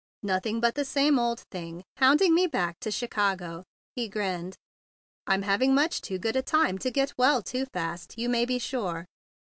"Nothing but the same old tiling. Hounding me back to Chicago," he grinned. "I'm having much too good a time to get well too fast, you may be sure."